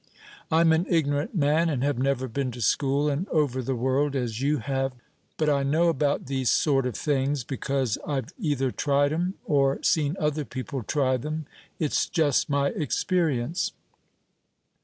"I'm an ignorant man, and have never been to school, and over the world, as you have; but I know about these sort of things, because I've either tried 'em, or seen other people try them; it's jest my experience."